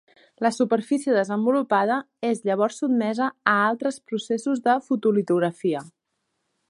La superfície desenvolupada és llavors sotmesa a altres processos de fotolitografia.